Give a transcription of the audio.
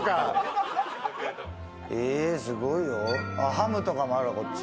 ハムとかもある、こっち。